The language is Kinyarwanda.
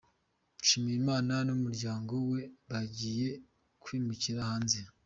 Nshimiyimana n’umuryango we bagiye kwimukira hanze